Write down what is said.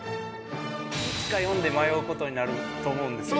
１か４で迷うことになると思うんですよね